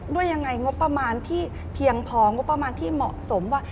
ว่ายังไงงบประมาณที่เพียงพองบประมาณที่เหมาะสมว่า